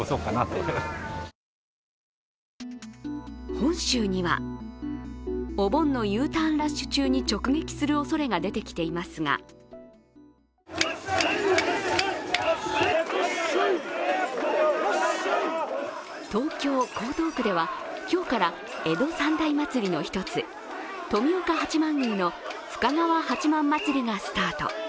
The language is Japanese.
本州にはお盆のＵターンラッシュ中に直撃するおそれが出てきていますが東京・江東区では今日から江戸三大祭りの一つ、富岡八幡宮の深川八幡祭りがスタート。